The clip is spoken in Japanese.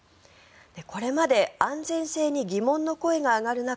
これまで安全性に疑問の声が上がる中